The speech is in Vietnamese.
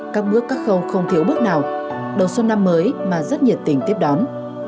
các bước các khâu không thiếu bước nào đầu xuân năm mới mà rất nhiệt tình tiếp đón